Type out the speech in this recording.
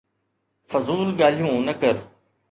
فضول ڳالهيون نه ڪر